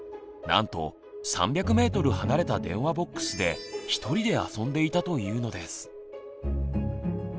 なんと３００メートル離れた電話ボックスでひとりで遊んでいたというのです。